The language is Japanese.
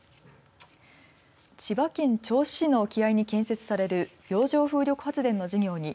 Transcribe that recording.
千葉県銚子市の沖合に建設される洋上風力発電の事業に